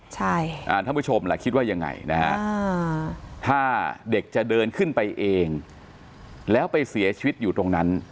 ท่านผู้ชมล่ะคิดว่ายังไงนะฮะถ้าเด็กจะเดินขึ้นไปเองแล้วไปเสียชีวิตอยู่ตรงนั้น